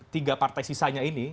tiga partai sisanya ini